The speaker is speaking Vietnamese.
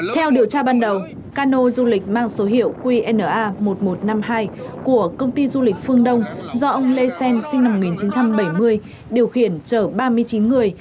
theo điều tra ban đầu cano du lịch mang số hiệu qna một nghìn một trăm năm mươi hai của công ty du lịch phương đông do ông lê xen sinh năm một nghìn chín trăm bảy mươi điều khiển chở ba mươi chín người